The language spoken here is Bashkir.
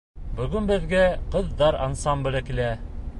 Бөгөн беҙгә «Ҡыҙҙар» ансамбле килә.